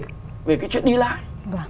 cái chuyện đi lại